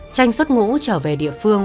tranh xuất ngũ trở về địa phương